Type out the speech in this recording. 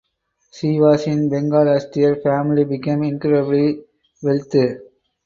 She was in Bengal as their family became incredibly wealthy.